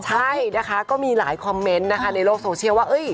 ใช่นะคะก็มีหลายคอมเมนต์นะคะในโลกโซเชียลว่า